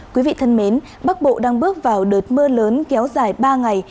quý vị thân mến bắc bộ đang bước vào đợt mưa lớn kéo dài ba ngày